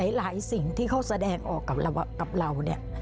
หลายสิ่งที่เขาแสดงออกกับเราเนี่ย